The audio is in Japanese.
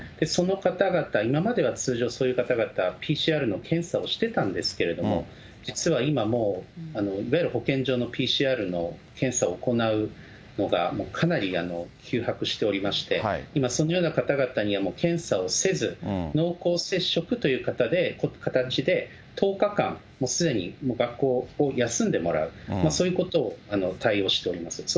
その方々、今までは通常、そういう方々はＰＣＲの検査をしてたんですけども、実は今もう、いわゆる保健所のＰＣＲの検査を行うのが、かなり窮迫しておりまして、今、そのような方々には検査をせず、濃厚接触という形で、１０日間、すでに学校を休んでもらう、そういうことを対応しております。